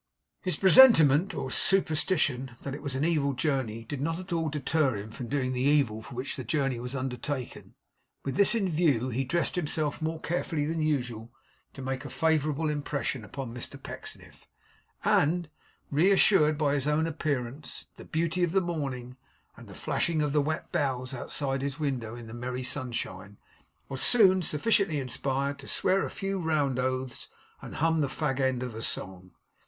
His presentiment, or superstition, that it was an evil journey, did not at all deter him from doing the evil for which the journey was undertaken. With this in view, he dressed himself more carefully than usual to make a favourable impression on Mr Pecksniff; and, reassured by his own appearance, the beauty of the morning, and the flashing of the wet boughs outside his window in the merry sunshine, was soon sufficiently inspirited to swear a few round oaths, and hum the fag end of a song.